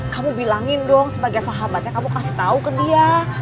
kamu bilangin dong sebagai sahabatnya kamu kasih tahu ke dia